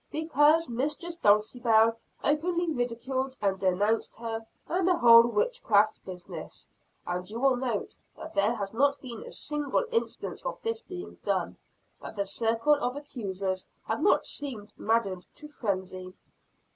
"Because, Mistress Dulcibel openly ridiculed and denounced her and the whole witchcraft business. And you will note that there has not been a single instance of this being done, that the circle of accusers have not seemed maddened to frenzy."